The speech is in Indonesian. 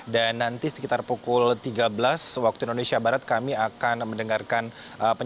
dan nanti sekitar pukul tiga belas waktu indonesia barat kami akan mendengarkan